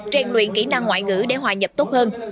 trang luyện kỹ năng ngoại ngữ để hòa nhập tốt hơn